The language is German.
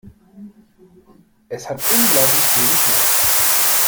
Es hat unglaublich viel geschneit.